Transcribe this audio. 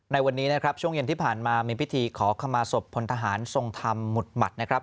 ในวันนี้นะครับช่วงเย็นที่ผ่านมามีพิธีขอขมาศพพลทหารทรงธรรมหมุดหมัดนะครับ